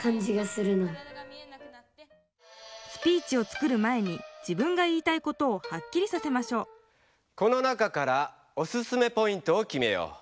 スピーチを作る前に自分が言いたいことをはっきりさせましょうこの中からオススメポイントをきめよう。